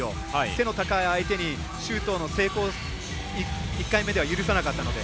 背の高い相手のシュートの成功を１回目では許さなかったので。